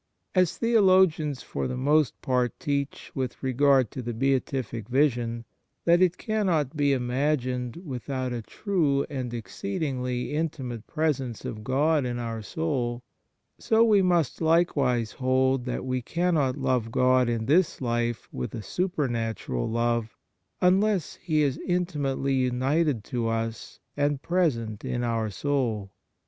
As theologians for the most part teach, with regard to the beatific vision, that it cannot be imagined without a true and exceedingly intimate presence of God in our soul, so we must likewise hold that we cannot love God in this life with a supernatural love unless He is intimately united to us and present in our soul.